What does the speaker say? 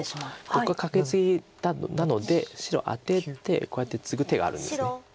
ここがカケツギなので白アテてこうやってツグ手があるんです。